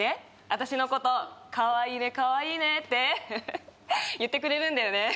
私のこと「かわいいねかわいいね」ってふふふっ言ってくれるんだよね